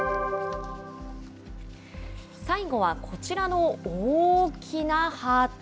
最後はこちらの大きなハート。